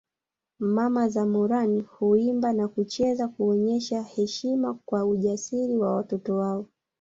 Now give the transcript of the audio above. Mama za Moran huimba na kucheza kuonyesha heshima kwa ujasiri wa watoto wao